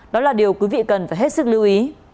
đó là điều quý vị cần phải hết sức lưu ý